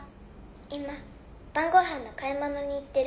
「今晩ご飯の買い物に行ってる」